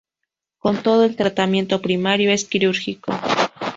Con todo, el tratamiento primario es quirúrgico.